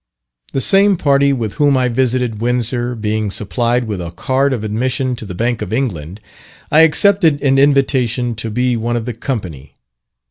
The same party with whom I visited Windsor being supplied with a card of admission to the Bank of England, I accepted an invitation to be one of the company.